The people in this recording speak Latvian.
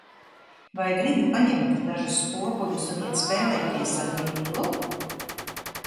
Vai gribi paņemt dažus spoguļus un iet spēlēties ar Nīlu?